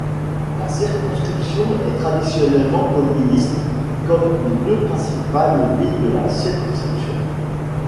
La circonscription est traditionnellement communiste, comme les deux principales villes de la circonscription.